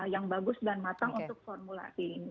yang bagus dan matang untuk formulasi